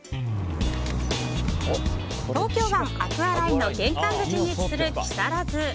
東京湾アクアラインの玄関口に位置する木更津。